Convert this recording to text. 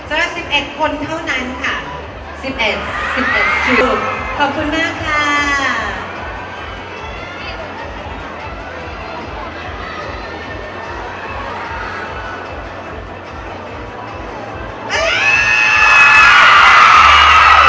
เอ็กโก้ต้นกิศใหญ่มาก